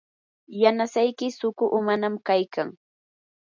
yanasayki suqu umanam kaykan.